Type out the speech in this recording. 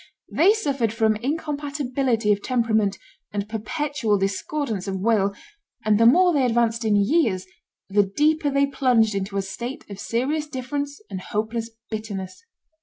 They suffered from incompatibility of temperament and perpetual discordance of will; and the more they advanced in years the deeper they plunged into a state of serious difference and hopeless bitterness.